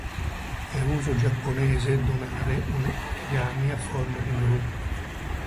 È uso giapponese donare un origami a forma di gru.